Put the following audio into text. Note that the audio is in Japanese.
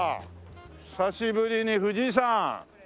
久しぶりに藤井さん。